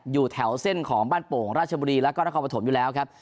อยู่แถวเส้นของบ้านโป่งราชบุรีแล้วก็นครปฐมอยู่แล้วครับ